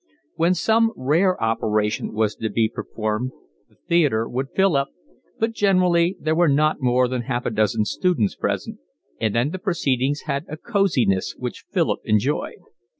When some rare operation was to be performed the theatre would fill up, but generally there were not more than half a dozen students present, and then the proceedings had a cosiness which Philip enjoyed.